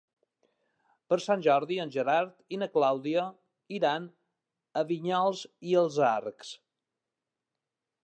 Per Sant Jordi en Gerard i na Clàudia iran a Vinyols i els Arcs.